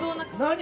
何？